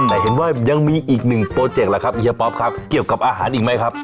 แต่เห็นว่ายังมีอีกหนึ่งโปรเจคแหละครับเฮียป๊อปครับเกี่ยวกับอาหารอีกไหมครับ